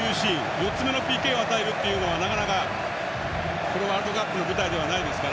４つ目のＰＫを与えるのはなかなかワールドカップの舞台ではないですから。